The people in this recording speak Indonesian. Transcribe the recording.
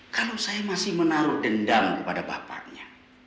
kalau saya masih menaruh dendam kepada bapaknya